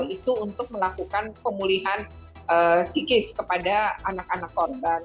itu untuk melakukan pemulihan psikis kepada anak anak korban